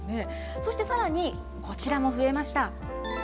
そしてさらに、こちらも増えました。